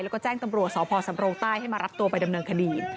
แล้วก็แจ้งตำรวจสพสำโรงใต้ให้มารับตัวไปดำเนินคดี